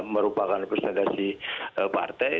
merupakan representasi partai